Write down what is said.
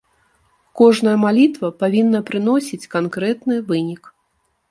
Кожная малітва павінна прыносіць канкрэтны вынік.